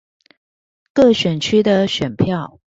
各選區的選票